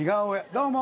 どうも。